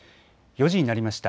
４時になりました。